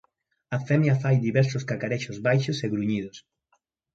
A femia fai diversos cacarexos baixos e gruñidos.